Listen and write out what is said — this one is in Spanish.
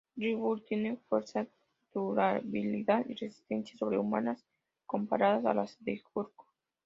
Red Hulk tiene fuerza, durabilidad y resistencia sobrehumanas, comparables a las de Hulk.